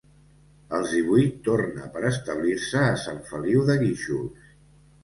Als divuit torna per establir-se a Sant Feliu de Guíxols.